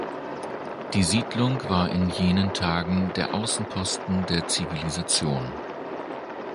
Die Siedlung war in jenen Tagen der Außenposten der Zivilisation.